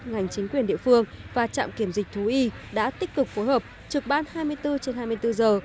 ngành chính quyền địa phương và trạm kiểm dịch thú y đã tích cực phối hợp trực ban hai mươi bốn trên hai mươi bốn giờ